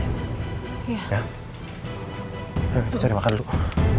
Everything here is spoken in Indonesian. kita cari makan dulu